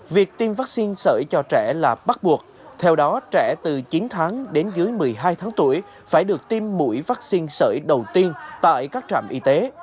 việc tiêm vắc xin sởi cho trẻ là bắt buộc theo đó trẻ từ chín tháng đến dưới một mươi hai tháng tuổi phải được tiêm mũi vắc xin sởi đầu tiên tại các trạm y tế